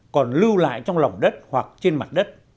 còn lưu lại trong lòng đất hoặc trên mặt đất